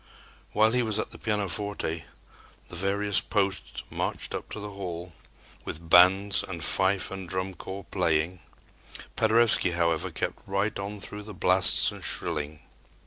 While he was at the pianoforte, the various posts marched up to the hall with bands and fife and drum corps playing. Paderewski, however, kept right on through the blasts and shrilling.